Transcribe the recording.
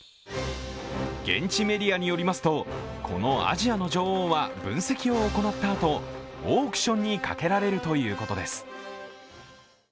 現地メディアによりますとこのアジアの女王は分析を行ったあとオークションにかけられるということです。